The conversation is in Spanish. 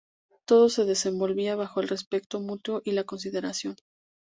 Todo se desenvolvía bajo el respeto mutuo y la consideración.